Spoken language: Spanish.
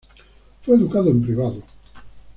Fue educado en privado.